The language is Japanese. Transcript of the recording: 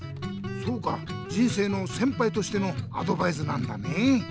そうか人生の先ぱいとしてのアドバイスなんだね！